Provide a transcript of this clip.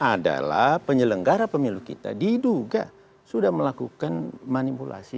adalah penyelenggara pemilu kita diduga sudah melakukan manipulasi